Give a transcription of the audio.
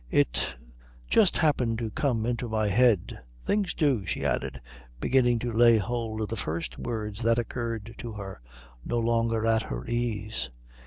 It just happened to come into my head. Things do," she added, beginning to lay hold of the first words that occurred to her, no longer at her ease.